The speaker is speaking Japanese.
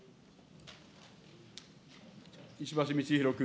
石橋通宏君。